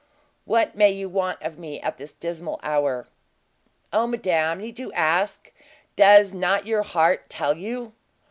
What may you want of me at this dismal hour?" "O madame, need you ask! Does not your own heart tell you?"